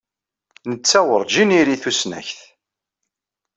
Netta werǧin iri tusnakt.